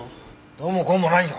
どうもこうもないよ。